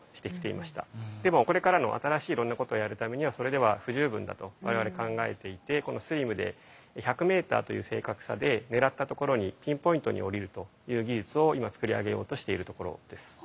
でもこれからの新しいいろんなことをやるためにはそれでは不十分だと我々考えていてこのＳＬＩＭで１００メーターという正確さで狙ったところにピンポイントに降りるという技術を今作り上げようとしているところです。